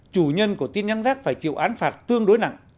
chủ nhân của tin nhắn rác phải chịu án phạt tương đối nặng